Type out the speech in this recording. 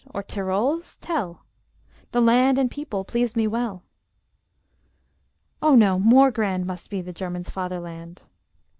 or Tyrols, tell; The land and people pleased me well! Oh no! more grand Must be the German's fatherland!